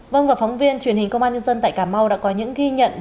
vâng và phóng viên truyền hình công an nhân dân tại cà mau đã có những ghi nhận